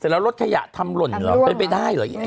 แล้วรถขยะทำหล่นเหรอเป็นไปได้เหรอ